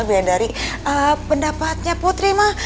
biar dari pendapatnya putri mah